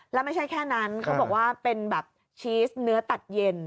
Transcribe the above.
แล้วไม่ใช่แค่นั้นเขาบอกว่าเป็นแบบชีสเนื้อตัดเย็น